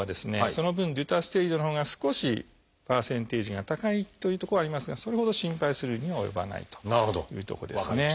その分デュタステリドのほうが少しパーセンテージが高いというところはありますがそれほど心配するには及ばないというとこですね。